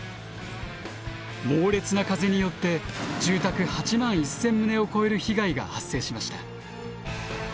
猛烈な風によって住宅８万１，０００棟を超える被害が発生しました。